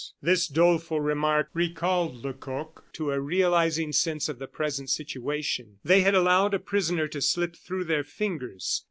This doleful remark recalled Lecoq to a realizing sense of the present situation. They had allowed a prisoner to slip through their fingers.